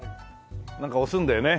なんか押すんだよね